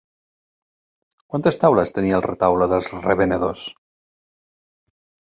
Quantes taules tenia el retaule dels Revenedors?